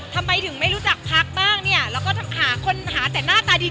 ทำไมถึงไม่รู้จักพักบ้างเนี่ยแล้วก็หาคนหาแต่หน้าตาดี